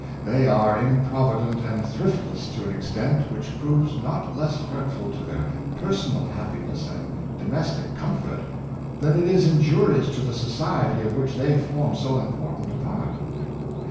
They are improvident and thriftless to an extent which proves not less hurtful to their personal happiness and domestic comfort than it is injurious to the society of which they form so important a part.